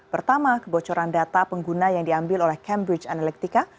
pertama kebocoran data pengguna yang diambil oleh cambridge analytica